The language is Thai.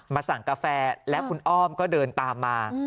สั่งกาแฟแล้วคุณอ้อมก็เดินตามมา